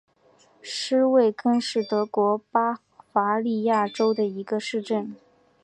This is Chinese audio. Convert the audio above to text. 施魏根是德国巴伐利亚州的一个市镇。